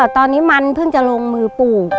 ตอนนี้มันเพิ่งจะลงมือปลูก